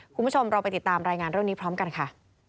คุณผู้ชมเราไปติดตามรายงานเรื่องนี้พร้อมกันค่ะ